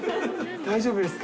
大丈夫ですか？